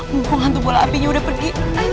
mumpung hantu bola apinya udah pergi